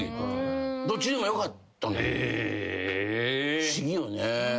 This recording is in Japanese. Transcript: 不思議よね。